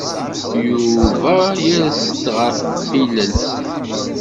Yuba yers-d ɣef yilel.